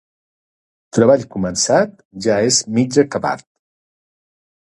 Treball començat ja és mig acabat.